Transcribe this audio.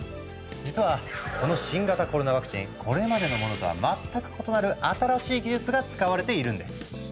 実はこの新型コロナワクチンこれまでのものとは全く異なる新しい技術が使われているんです。